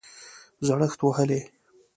زړښت وهلی